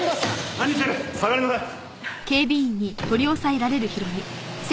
何してる下がりなさい！